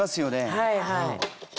はいはい。